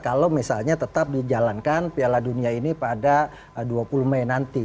kalau misalnya tetap dijalankan piala dunia ini pada dua puluh mei nanti